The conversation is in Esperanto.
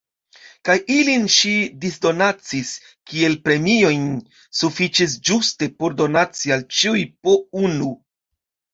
Kaj ilin ŝi disdonacis kiel premiojn. Sufiĉis ĝuste por donaci al ĉiuj po unu.